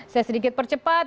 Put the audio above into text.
saya sedikit percepat